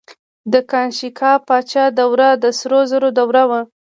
د کنیشکا پاچا دوره د سرو زرو دوره وه